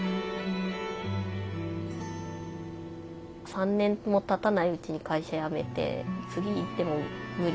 ３年も経たないうちに会社辞めて次行っても無理だよ